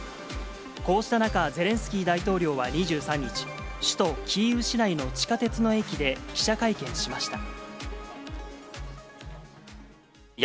こうした中、ゼレンスキー大統領は２３日、首都キーウ市内の地下鉄の駅で、記者会見しました。